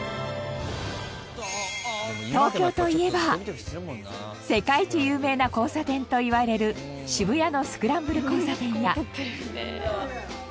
東京といえば世界一有名な交差点といわれる渋谷のスクランブル交差点や。